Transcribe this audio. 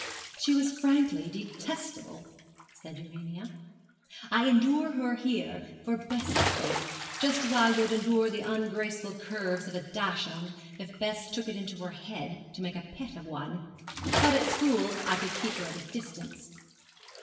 'She was frankly detestable,' said Urania. 'I endure her here for Bessie's sake; just as I would endure the ungraceful curves of a Dachshund if Bess took it into her head to make a pet of one; but at school I could keep her at a distance.'